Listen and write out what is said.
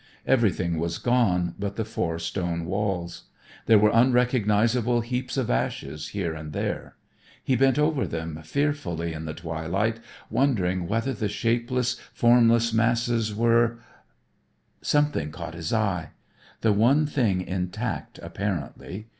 Everything was gone but the four stone walls. There were unrecognizable heaps of ashes here and there. He bent over them fearfully in the twilight wondering whether the shapeless, formless masses were Something caught his eye. The one thing intact apparently.